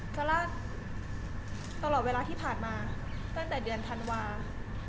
ซาร่าตลอดเวลาที่ผ่านมาตั้งแต่เดือนธันวาคม